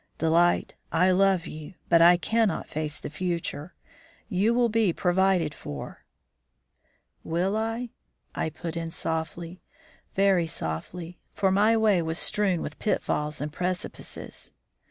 Delight, I love you, but I cannot face the future. You will be provided for " "Will I?" I put in softly, very softly, for my way was strewn with pitfalls and precipices.